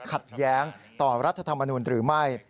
ขัดแย้งต่อรัฐธรรมนุนหรือไม่